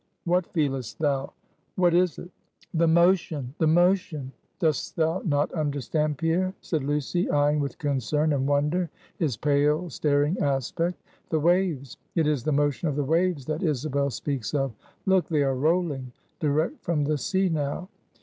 "What feelest thou? what is it?" "The motion! the motion!" "Dost thou not understand, Pierre?" said Lucy, eying with concern and wonder his pale, staring aspect "The waves: it is the motion of the waves that Isabel speaks of. Look, they are rolling, direct from the sea now."